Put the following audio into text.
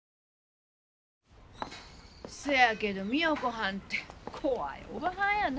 そやけど美代子はんって怖いおばはんやな。